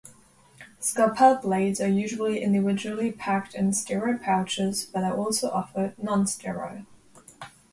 Scalpel blades are usually individually packed in sterile pouches but are also offered non-sterile.